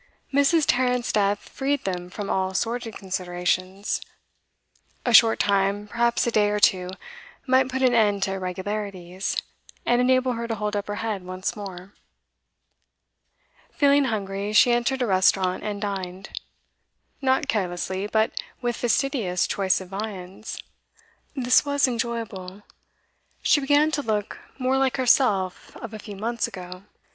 Mrs. Tarrant's death freed them from all sordid considerations. A short time, perhaps a day or two, might put an end to irregularities, and enable her to hold up her head once more. Feeling hungry, she entered a restaurant, and dined. Not carelessly, but with fastidious choice of viands. This was enjoyable; she began to look more like herself of a few months ago.